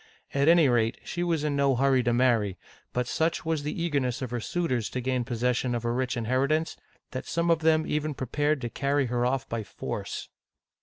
At any rate, she was in no hurry to marry ; but such was the eagerness of her suitors to gain possession of her rich inheritance, that some of them even prepared to carry her off by force.